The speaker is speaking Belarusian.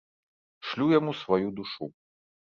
Шлю яму сваю душу.